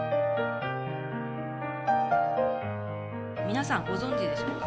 皆さんご存じでしょうか。